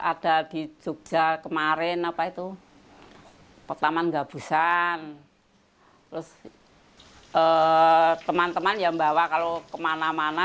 ada di jogja kemarin apa itu pertaman gabusan terus teman teman yang bawa kalau kemana mana